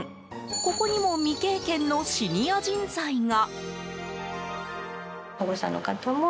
ここにも未経験のシニア人材が。